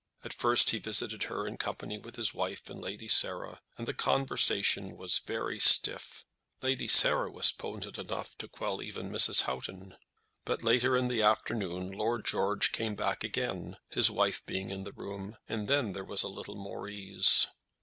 At first he visited her in company with his wife and Lady Sarah, and the conversation was very stiff. Lady Sarah was potent enough to quell even Mrs. Houghton. But later in the afternoon Lord George came back again, his wife being in the room, and then there was a little more ease.